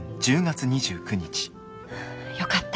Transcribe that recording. よかった。